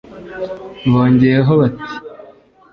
Bongeyeho bati